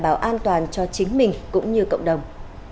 bảo an toàn cho chính mình cũng như cộng đồng